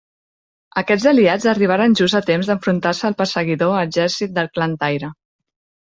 Aquests aliats arribaren just a temps d'enfrontar-se al perseguidor exèrcit del Clan Taira.